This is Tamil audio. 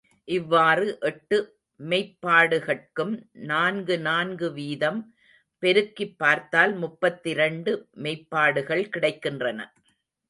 இவ்வாறு எட்டு மெய்ப்பாடுகட்கும் நான்கு நான்கு வீதம் பெருக்கிப் பார்த்தால் முப்பத்திரண்டு மெய்ப்பாடுகள் கிடைக்கின்றன.